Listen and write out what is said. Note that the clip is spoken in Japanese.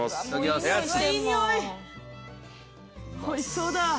おいしそうだ。